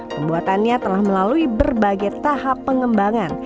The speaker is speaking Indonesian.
pembuatannya telah melalui berbagai tahap pengembangan